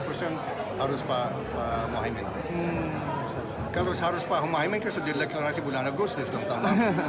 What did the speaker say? kalau harus pak mohaimin harus di deklarasi bulan agustus dong tahun enam